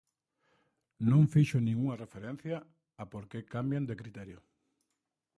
Non fixo ningunha referencia a por que cambian de criterio.